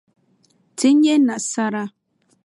Ti nya nasara.